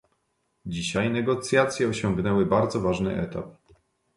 Dzisiaj negocjacje osiągnęły bardzo ważny etap